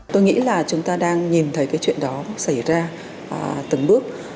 tôi nghĩ là chúng ta đang nhìn thấy cái chuyện đó xảy ra từng bước